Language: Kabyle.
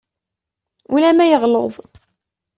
Ulamma yeɣleḍ.